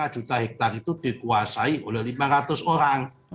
dua lima juta hektare itu dikuasai oleh lima ratus orang